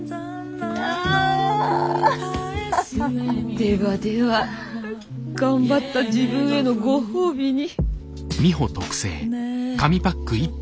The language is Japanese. ではでは頑張った自分へのご褒美に。